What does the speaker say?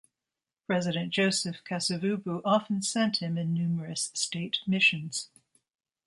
President Joseph Kasavubu often sent him in numerous state missions.